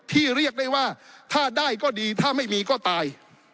เรียกได้ว่าถ้าได้ก็ดีถ้าไม่มีก็ตาย